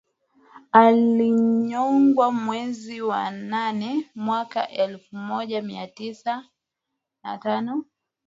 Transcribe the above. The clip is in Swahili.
Alinyongwa mwezi wa nane mwaka elfu moja mia tisa na tano